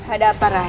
ada apa raden